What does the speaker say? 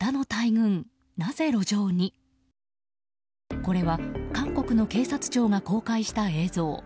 これは韓国の警察庁が公開した映像。